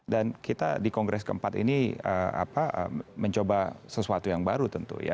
dan kita di kongres keempat ini mencoba sesuatu yang baru tentu